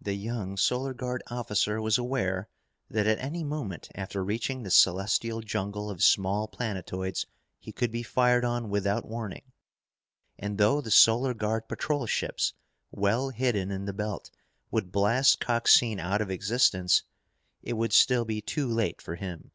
The young Solar Guard officer was aware that at any moment after reaching the celestial jungle of small planetoids he could be fired on without warning. And though the Solar Guard patrol ships, well hidden in the belt, would blast Coxine out of existence, it would still be too late for him.